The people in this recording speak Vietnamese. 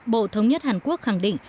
bộ thống nhất hàn quốc khẳng định